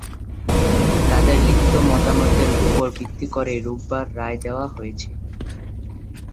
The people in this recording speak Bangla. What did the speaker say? তাদের লিখিত মতামতের ওপর ভিত্তি করেই রোববার রায় দেওয়া হয়েছে।